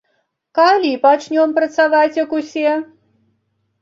Калі пачнём працаваць як усе?